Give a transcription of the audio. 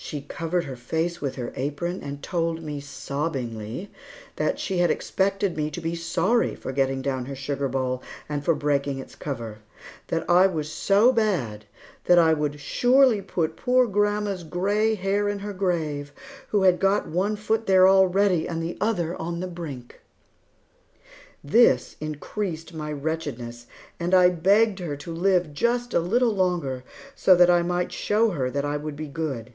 She covered her face with her apron and told me, sobbingly, that she had expected me to be sorry for getting down her sugar bowl and for breaking its cover; that I was so bad that I would "surely put poor old grandma's gray hair in her grave, who had got one foot there already and the other on the brink." This increased my wretchedness, and I begged her to live just a little longer so that I might show her that I would be good.